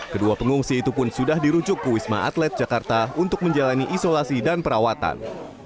kedua pengungsi itu pun sudah dirujuk ke wisma atlet jakarta untuk menjalani isolasi dan perawatan